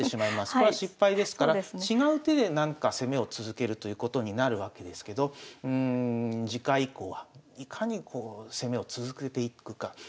これは失敗ですから違う手でなんか攻めを続けるということになるわけですけど次回以降はいかにこう攻めを続けていくか。